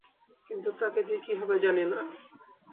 কিন্তু তাকে দিয়ে কী হবে জানি না!